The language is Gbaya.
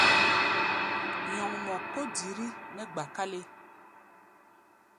Nyɔŋmɔ kó diri nɛ́ gba-kálé.